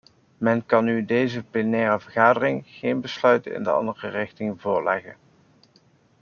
Men kan nu deze plenaire vergadering geen besluit in de andere richting voorleggen.